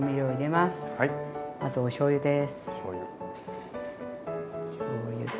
まずおしょうゆです。